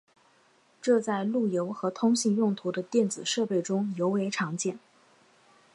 这在路由和通信用途的电子设备中尤为常见。